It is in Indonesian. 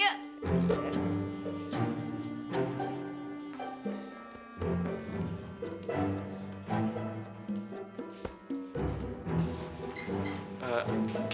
yaudah deh yuk